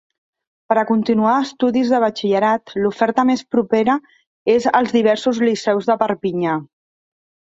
Per a continuar estudis de batxillerat, l'oferta més propera és als diversos liceus de Perpinyà.